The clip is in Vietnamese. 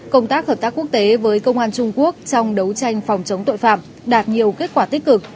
công tác hợp tác quốc tế với công an trung quốc trong đấu tranh phòng chống tội phạm đạt nhiều kết quả tích cực